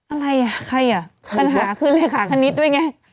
อะไรอ่ะใครทีมหาคืนรายค่าพนิตว่ายังไง